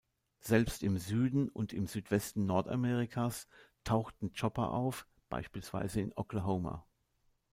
Selbst im Süden und im Südwesten Nordamerikas tauchten Chopper auf, beispielsweise in Oklahoma.